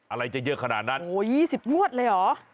อะไรจะเยอะขนาดนั้นโอ้โห๒๐งวดเลยเหรอ